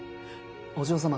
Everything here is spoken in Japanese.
お嬢様